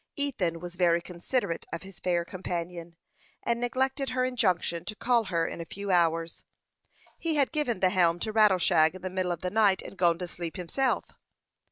Ethan was very considerate of his fair companion, and neglected her injunction to call her in a few hours. He had given the helm to Rattleshag in the middle of the night, and gone to sleep himself.